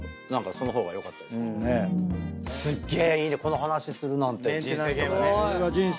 すっげえいいねこの話するなんて人生ゲームで。